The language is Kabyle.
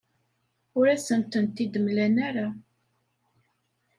Ur asent-tent-id-mlan ara.